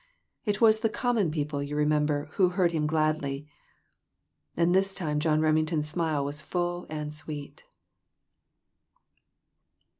It was the 'common people,' you remember, who 'heard Him gladly'." And this time John Remington's smile was full and sweet.